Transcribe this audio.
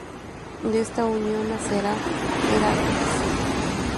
De esta unión nacerá Heracles.